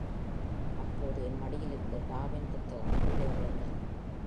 அப்போது என் மடியிலிருந்து டார்வின் புத்தகம் கீழே விழுந்தது.